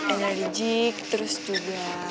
enerjik terus juga